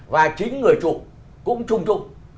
và chính người chủ cũng trung trung